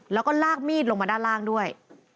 แล้วก็ลากมีดลงมาด้านล่างด้วย